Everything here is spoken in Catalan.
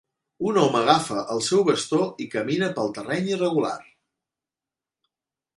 Un home agafa el seu bastó i camina pel terreny irregular.